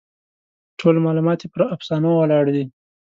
ټول معلومات یې پر افسانو ولاړ دي.